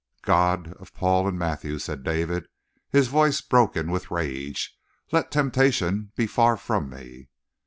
"God of Paul and Matthew," said David, his voice broken with rage, "let temptation be far from me!"